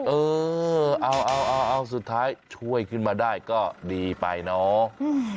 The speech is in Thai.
เออเอาเอาสุดท้ายช่วยขึ้นมาได้ก็ดีไปเนาะ